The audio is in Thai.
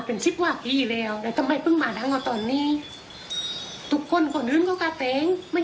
พาธิปรากฏนั่นคือพาธิ